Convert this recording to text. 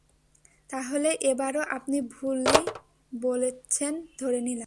তাহলে, এবারও আপনি ভুলই বলছেন ধরে নিলাম।